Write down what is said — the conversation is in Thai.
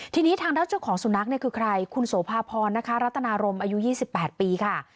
ทีนี้ทางด้านเจ้าของสุนัขเนี่ยคือใครคุณโสภาพรนะคะรัตนารมอายุ๒๘ปีค่ะ